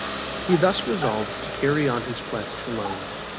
He thus resolves to carry on his quest alone.